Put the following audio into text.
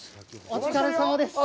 お疲れさまです！